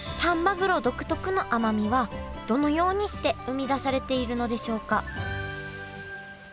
黒独特の甘みはどのようにして生み出されているのでしょうか？